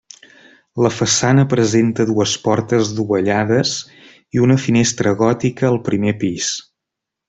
La façana presenta dues portes dovellades i una finestra gòtica al primer pis.